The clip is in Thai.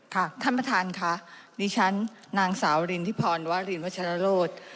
ค่ะท่านประธานค่ะนี่ฉันนางสาวลินทิพรวาลินวัชลโลด